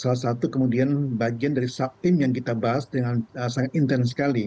salah satu kemudian bagian dari tim yang kita bahas dengan sangat intens sekali